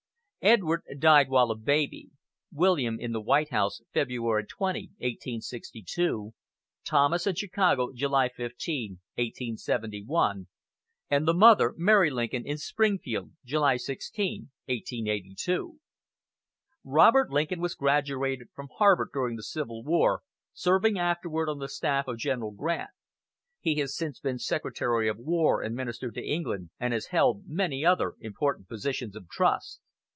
Edward died while a baby; William, in the White House, February 20, 1862; Thomas in Chicago, July 15, 1871; and the mother, Mary Lincoln, in Springfield, July 16, 1882. Robert Lincoln was graduated from Harvard during the Civil War, serving afterward on the staff of General Grant. He has since been Secretary of War and Minister to England, and has held many other important positions of trust.